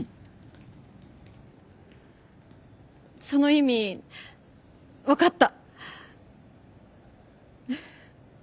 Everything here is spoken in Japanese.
その意味分かった。